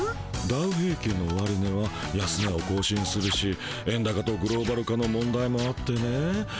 ダウ平きんの終値は安値をこう新するし円高とグローバル化の問題もあってね。